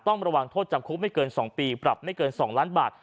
ต้องระวังโทษจำคุกไม่เกิน๒ปีปรับไม่เกิน๒ล้านบาท